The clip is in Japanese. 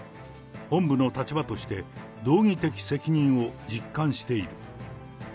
本部の立場として、道義的責任を実感している。